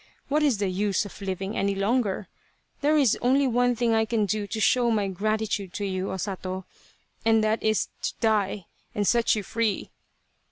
What is the use of living any longer ? There is only one thing I can do to show my gratitude to you, O Sato ! and that is to die and set you free.